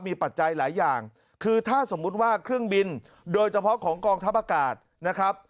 มีปัจจัยหลายอย่างคือถ้าสมมุติว่าเครื่องบินโดยเฉพาะของกองทัพอากาศนะครับ